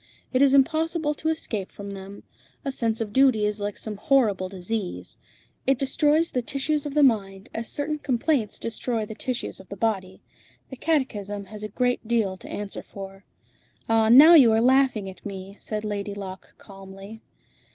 It is impossible to escape from them. A sense of duty is like some horrible disease. It destroys the tissues of the mind, as certain complaints destroy the tissues of the body. The catechism has a great deal to answer for." "Ah! now you are laughing at me," said Lady Locke calmly.